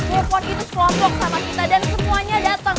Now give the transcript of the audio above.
gue fon itu kelompok sama kita dan semuanya datang